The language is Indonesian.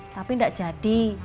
tapi enggak jadi